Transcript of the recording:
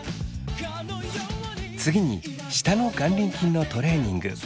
次に下の眼輪筋のトレーニング。